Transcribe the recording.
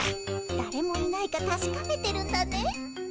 だれもいないかたしかめてるんだね。